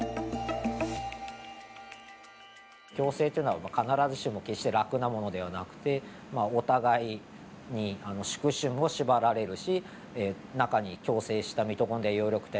共生というのは必ずしも決して楽なものではなくてまあお互いに宿主も縛られるし中に共生したミトコンドリア葉緑体も宿主に縛られるし。